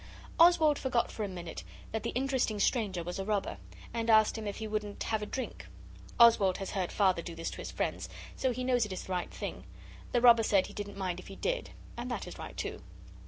Oswald forgot for a minute that the interesting stranger was a robber, and asked him if he wouldn't have a drink. Oswald has heard Father do this to his friends, so he knows it is the right thing. The robber said he didn't mind if he did. And that is right, too.